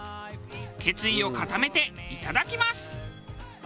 決意を固めていただきます。